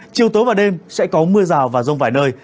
chiều tối và đêm sẽ có mưa rào và rông vài nơi